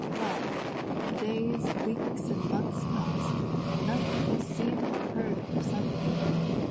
Well, days, weeks, and months passed, and nothing was seen or heard of Sunbeam.